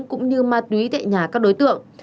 cũng như ma túy tại nhà các đối tượng